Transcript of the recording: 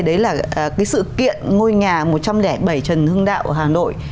đấy là cái sự kiện ngôi nhà một trăm linh bảy trần hưng đạo ở hà nội